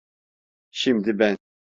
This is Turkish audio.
Şimdi ben…